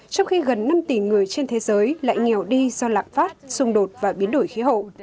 trong khi gần năm tỷ người trên thế giới lại nghèo đi do lạm phát xung đột và biến đổi khí hậu